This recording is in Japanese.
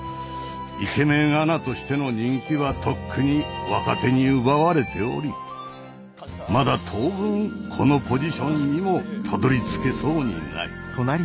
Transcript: イケメンアナとしての人気はとっくに若手に奪われておりまだ当分このポジションにもたどりつけそうにない。